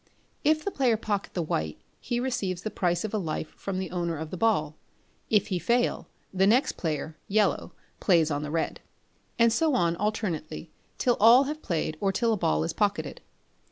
If the player pocket the white he receives the price of a life from the owner of the ball; but if he fail, the next player (yellow) plays on the red; and so on alternately till all have played, or till a ball is pocketed.